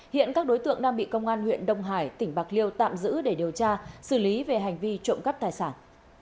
hiện các đối tượng đang bị công an huyện đông hải tỉnh bạc liêu tạm giữ để điều tra xử lý về hành vi trộm cắp tài sản